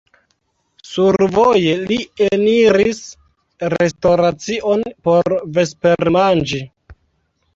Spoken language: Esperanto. Survoje li eniris restoracion por vespermanĝi.